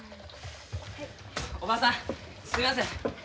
おばさんすみません。